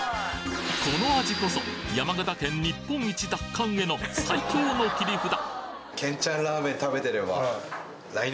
この味こそ山形県日本一奪還への最強の切り札